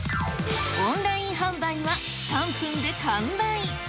オンライン販売は３分で完売。